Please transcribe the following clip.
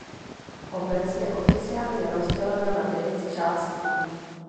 Obec je oficiálně rozdělena na devět částí.